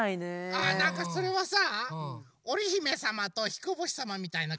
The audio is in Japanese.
あなんかそれはさおりひめさまとひこぼしさまみたいなかんじ？